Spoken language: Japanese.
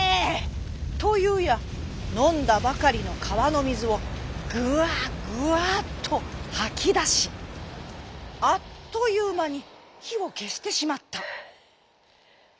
というやのんだばかりのかわのみずをグワグワっとはきだしあっというまにひをけしてしまった。